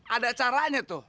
ada caranya tuh